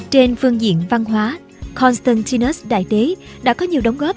trên phương diện văn hóa constantinus đại đế đã có nhiều đóng góp